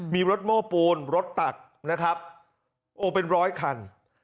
มีรถโม้ปูนรถตักนะครับโอ้เป็นร้อยคัน